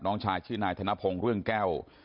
น้องชายชื่อนายธนพงศ์เรื่องแก้ว